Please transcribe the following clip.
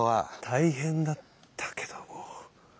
大変だったけども。